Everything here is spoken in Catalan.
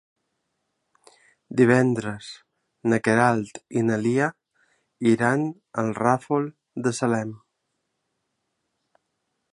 Divendres na Queralt i na Lia iran al Ràfol de Salem.